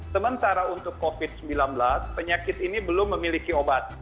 sementara untuk covid sembilan belas penyakit ini belum memiliki obat